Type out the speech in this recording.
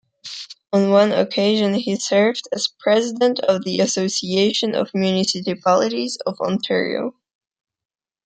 On one occasion, he served as president of the Association of Municipalities of Ontario.